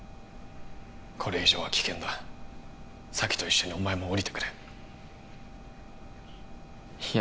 これ以上は危険だ沙姫と一緒にお前も降りてくれいや